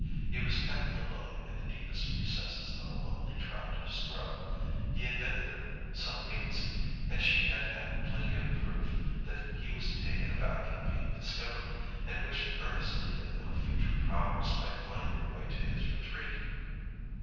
He was camping alone in the deepest recesses of a lonely tract of scrub; he had been there some weeks, and she had had plenty of proof that he was taken aback at being discovered and wished earnestly that no future prowlers might find their way to his retreat.